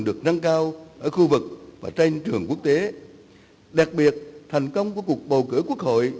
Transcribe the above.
được nâng cao ở khu vực và trên trường quốc tế đặc biệt thành công của cuộc bầu cử quốc hội